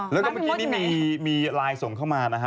แล้วก็เมื่อกี้นี้มีไลน์ส่งเข้ามานะฮะ